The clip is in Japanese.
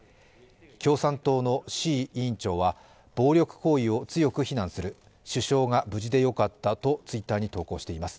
共産党の志位委員長は暴力行為を強く非難する首相が無事でよかったとＴｗｉｔｔｅｒに投稿しています。